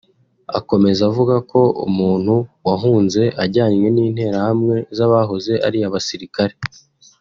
Akomeza avuga ko umuntu wahunze ajyanywe n’Interahamwe z’abahoze ari abasirikare